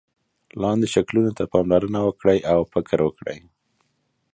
لاندې شکلونو ته پاملرنه وکړئ او فکر وکړئ.